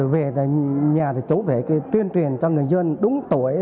về nhà thì chú phải tuyên truyền cho người dân đúng tuổi